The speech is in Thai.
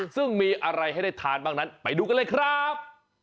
ซึ่งมีอะไรให้ได้ทานบ้างนั้นไปดูกันเลยครับ